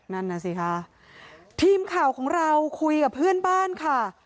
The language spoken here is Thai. นั่นน่ะสิค่ะทีมข่าวของเราคุยกับเพื่อนบ้านค่ะ